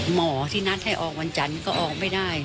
หมอที่นัดให้ออกวันจันทร์ก็ออกไม่ได้